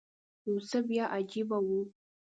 یو څه بیا عجیبه و.